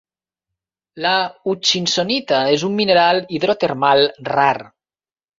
La hutchinsonita és un mineral hidrotermal rar.